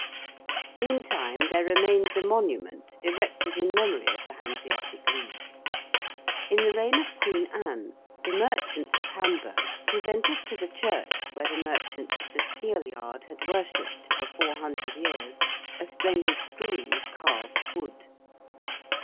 Meantime there remains a monument erected in memory of the Hanseatic League. In the reign of Queen Anne the merchants of Hamburg presented to the church where the merchants of the Steelyard had worshipped for 400 years, a splendid screen of carved wood.